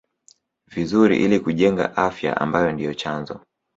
vizuri ili kujenga afya ambayo ndio chanzo